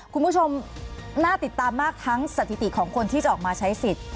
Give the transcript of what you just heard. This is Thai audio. คุณผู้ชมน่าติดตามมากทั้งสถิติของคนที่จะออกมาใช้สิทธิ์